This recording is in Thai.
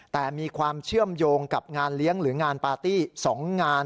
แต่มีความเชื่อมโยงกับงานเลี้ยงหรืองานปาร์ตี้๒งาน